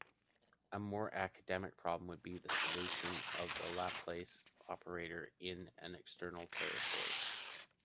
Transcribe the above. A more academic problem would be the solution of the Laplace operator in an external territory.